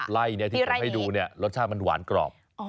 ไล่ที่ผมให้ดูเนี่ยรสชาติมันหวานกรอบ